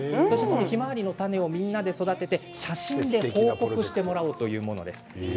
ひまわりの種をみんなで育てて写真で報告してもらうというものです。